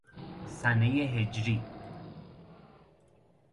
سنۀ هجری